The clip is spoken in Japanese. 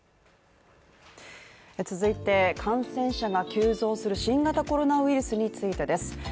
続いて感染者が急増する新型コロナウイルスについてです。